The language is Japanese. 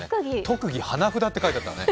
特技、花札って書いてあったね。